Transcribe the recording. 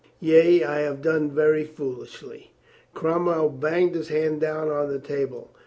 Yea, I have done very foolishly." Cromwell banged his hand down on the table.